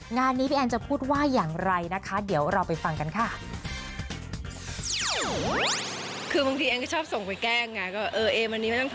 งานนี้พี่แอนจะพูดว่าอย่างไรนะคะเดี๋ยวเราไปฟังกันค่ะ